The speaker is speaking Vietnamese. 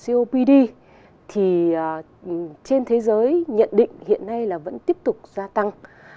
copd thì trên thế giới nhận định hiện nay là vẫn tiếp tục gia tăng